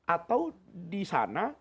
atau di sana